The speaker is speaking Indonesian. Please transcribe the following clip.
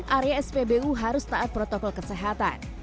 area spbu harus taat protokol kesehatan